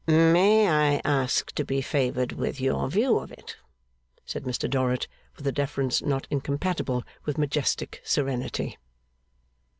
'May I ask to be favoured with your view of it?' said Mr Dorrit, with a deference not incompatible with majestic serenity.